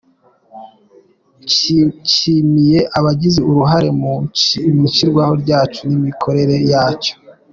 Nshimiye abagize uruhare mu ishyirwaho ryacyo n’imikorere yacyo.”